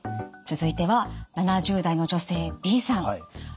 続いては７０代の女性Ｂさん。